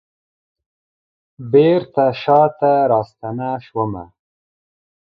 بیرته شاته راستنه شومه